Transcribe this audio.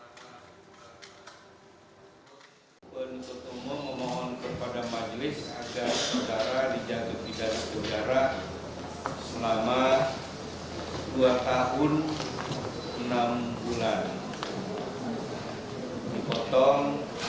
penuntut umum memohon kepada majelis agar sejarah dijatuhi dari sejarah selama dua tahun enam bulan